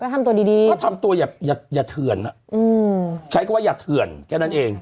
ทำตัวดีก็ทำตัวอย่าอย่าเถื่อนใช้คำว่าอย่าเถื่อนแค่นั้นเอง